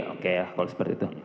oke ya kalau seperti itu